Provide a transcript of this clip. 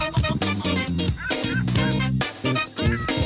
น่ารักมาก